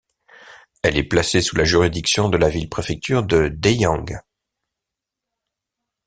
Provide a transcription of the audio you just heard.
Elle est placée sous la juridiction de la ville-préfecture de Deyang.